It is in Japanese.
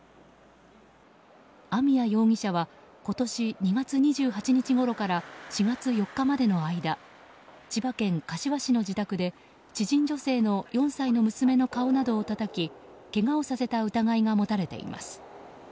網谷容疑者は今年２月２８日ごろから４月４日までの間千葉県柏市の自宅で知人女性の４歳の娘の顔などをたたきけがをさせた疑いが持たれています。